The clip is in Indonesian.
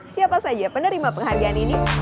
siapa saja penerima penghargaan